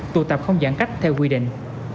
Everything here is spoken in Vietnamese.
tụ tập không giãn cách theo quy định